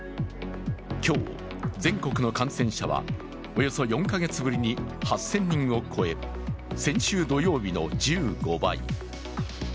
今日、全国の感染者はおよそ４カ月ぶりに８０００人を超え、先週土曜日の１５倍。